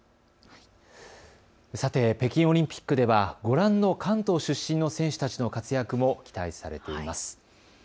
さて、北京オリンピックではご覧の関東出身の選手たちの活躍も期待されています。